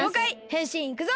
へんしんいくぞ！